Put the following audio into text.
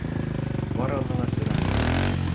Барығыҙға ла сәләм!